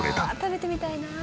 食べてみたいな。